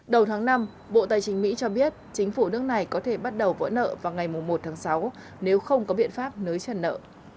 đầu tháng năm bộ tài chính mỹ cho biết chính phủ nước này có thể bắt đầu vỡ nợ vào ngày một tháng sáu nếu không có biện pháp nới trần nợ